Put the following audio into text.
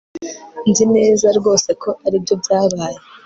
Nzi neza rwose ko aribyo byabaye